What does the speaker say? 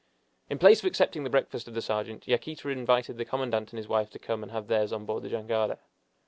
In place of accepting the breakfast of the sergeant, Yaquita invited the commandant and his wife to come and have theirs on board the jangada.